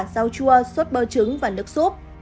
rau chua sốt bơ trứng và nước súp